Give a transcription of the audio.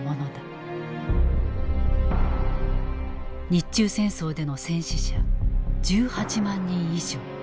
日中戦争での戦死者１８万人以上。